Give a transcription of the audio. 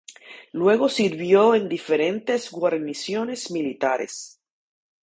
Luego sirvió en diferentes guarniciones militares.